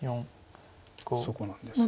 そこなんです。